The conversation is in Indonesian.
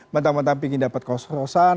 mentang mentang ingin dapat kos kosan